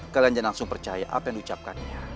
kalian jangan langsung percaya apa yang diucapkannya